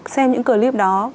xem những clip đó